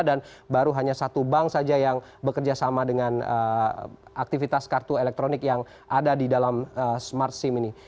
dan baru hanya satu bank saja yang bekerja sama dengan aktivitas kartu elektronik yang ada di dalam smart sim ini